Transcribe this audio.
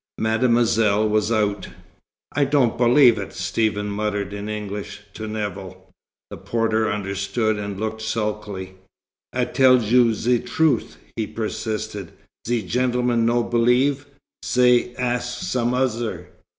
Mademoiselle was out. "I don't believe it," Stephen muttered in English, to Nevill. The porter understood, and looked sulky. "I tell ze troot," he persisted. "Ze gentlemens no believe, zay ask some ozzer."